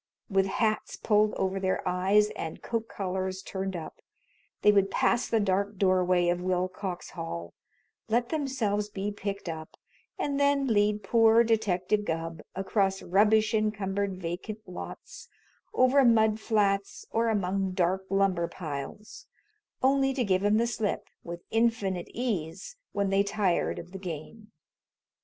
With hats pulled over their eyes and coat collars turned up, they would pass the dark doorway of Willcox Hall, let themselves be picked up, and then lead poor Detective Gubb across rubbish encumbered vacant lots, over mud flats or among dark lumber piles, only to give him the slip with infinite ease when they tired of the game.